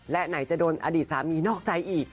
และไหนจะโดนอดีตสามีนอกใจอีก